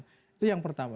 itu yang pertama